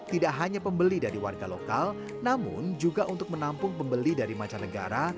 tidak hanya pembeli dari warga lokal namun juga untuk menampung pembeli dari macam negara